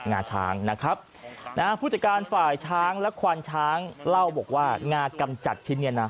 งาช้างนะครับนะฮะผู้จัดการฝ่ายช้างและควานช้างเล่าบอกว่างากำจัดชิ้นเนี้ยนะ